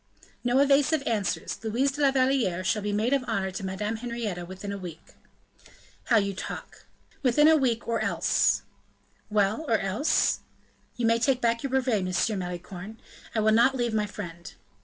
"No evasive answers, Louise de la Valliere shall be maid of honor to Madame Henrietta within a week." "How you talk!" "Within a week, or else " "Well! or else?" "You may take back your brevet, Monsieur Malicorne; I will not leave my friend."